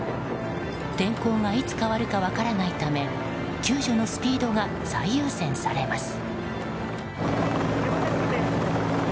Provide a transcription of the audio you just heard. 天候がいつ変わるか分からないため救助のスピードが最優先されます。